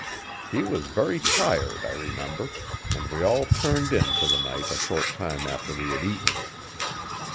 He was very tired, I remember, and we all turned in for the night a short time after we had eaten.